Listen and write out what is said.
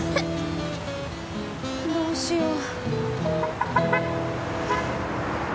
どうしよう。